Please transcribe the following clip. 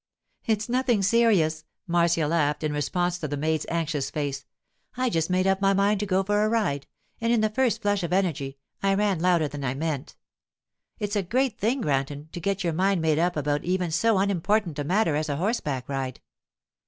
'It's nothing serious,' Marcia laughed in response to the maid's anxious face; 'I just made up my mind to go for a ride, and in the first flush of energy I rang louder than I meant. It's a great thing, Granton, to get your mind made up about even so unimportant a matter as a horseback ride.